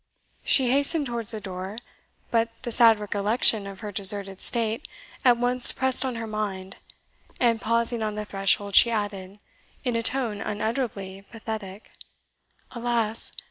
She hastened towards the door; but the sad recollection of her deserted state at once pressed on her mind, and pausing on the threshold, she added, in a tone unutterably pathetic, "Alas!